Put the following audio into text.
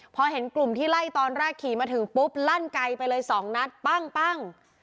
พอเห็นกลุ่มที่ไล่ตอนแรกขี่มาถึงปุ๊บลั่นไกลไปเลยสองนัดปั้ง